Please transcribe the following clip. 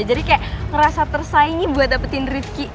jadi kayak ngerasa tersaingi buat dapetin ritky